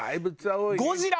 「ゴジラ」